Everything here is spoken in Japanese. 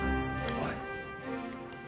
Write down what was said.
おい。